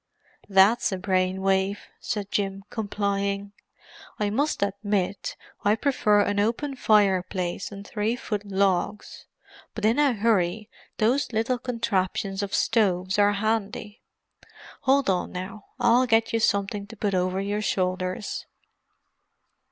"That's a brain wave," said Jim, complying. "I must admit I prefer an open fireplace and three foot logs—but in a hurry those little contraptions of stoves are handy. Hold on now—I'll get you something to put over your shoulders."